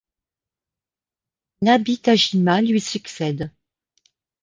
Nabi Tajima lui succède.